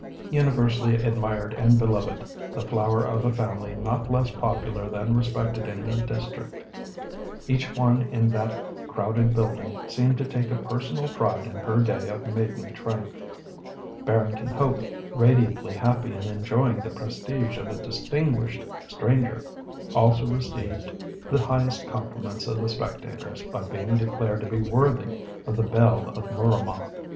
Universally admired and beloved, the flower of a family not less popular than respected in the district, each one in that crowded building seemed to take a personal pride in her day of maiden triumph. Barrington Hope, radiantly happy and enjoying the prestige of a distinguished stranger, also received the highest compliments of the spectators by being declared to be worthy of the belle of Mooramah.